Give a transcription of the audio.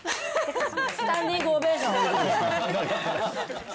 スタンディングオベーション。